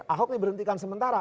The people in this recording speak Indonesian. ahok ini berhentikan sementara